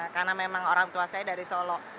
karena memang orang tua saya dari solo